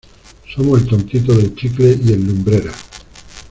somos el tontito del chicle y el lumbreras.